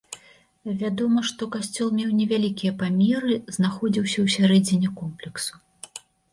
Вядома, што касцёл меў невялікія памеры, знаходзіўся ў сярэдзіне комплексу.